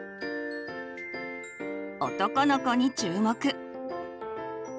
男の子に注目。